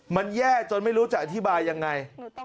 มันแย่จนไม่รู้จะอธิบายยังไง